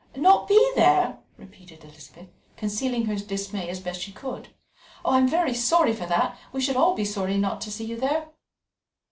"Not be there!" repeated Elizabeth, concealing her dismay as best she could. "I am very sorry for that; we shall all be sorry not to see you there."